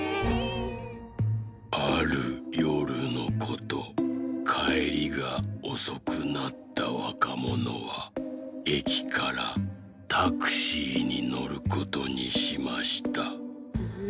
「あるよるのことかえりがおそくなったわかものはえきからタクシーにのることにしました。